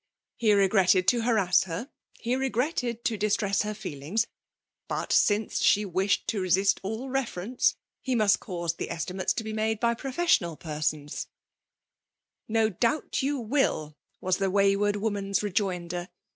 He regretted to harass her — he re gretted to distress her feelings; but since she' wished to resist all reference, he miutt cause' 246 FEMALE DOMlKATtOK. the estimates to be made bjr profesBioMl penons* ''No doubt you wfflT* was the wKywafd woman's rejoinder.